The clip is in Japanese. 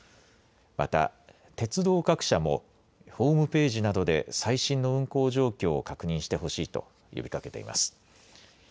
また鉄道各社もホームページなどで最新の運行状況を確認してほしいと呼びかけています。